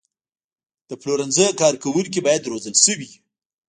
د پلورنځي کارکوونکي باید روزل شوي وي.